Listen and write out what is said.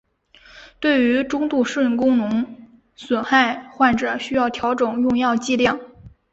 对于中度肾功能损害患者需要调整用药剂量。